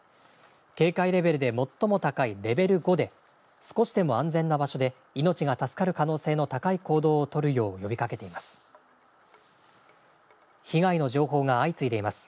警戒レベルで最も高いレベル５で、少しでも安全な場所で、命が助かる可能性の高い行動を取るよう呼びかけています。